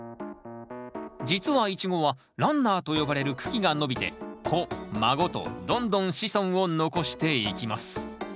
実はイチゴはランナーと呼ばれる茎が伸びて子孫とどんどん子孫を残していきます。